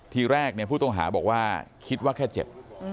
ทีแรกผู้ต้องหาบอกว่าคิดว่าแค่เจ็บ